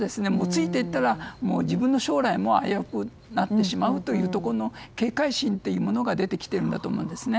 ついていけばもう自分の将来も危うくなってしまうという警戒心というものが出てきていると思います。